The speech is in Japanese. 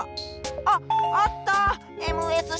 あっあった！